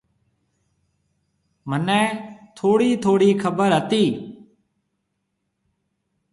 مھنيَ ٿوڙِي ٿوڙِي خبر ھتِي۔